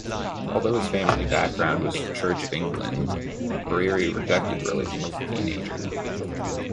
Although his family background was Church of England, Brearey rejected religion as a teenager.